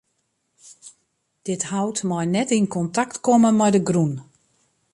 Dit hout mei net yn kontakt komme mei de grûn.